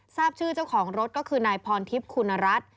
ทราบชื่อเจ้าของรถก็คือนายพรทิพย์คุณรัฐ